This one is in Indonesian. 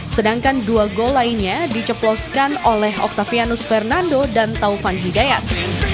sedangkan dua gol lainnya diceploskan oleh octavianus fernando dan taufan hidayat